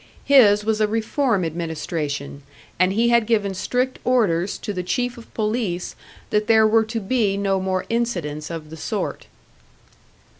His was a reform administration, and he had given strict orders to the Chief of Police that there were to be no more incidents of the sort.